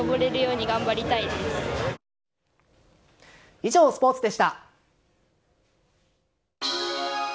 以上、スポーツでした。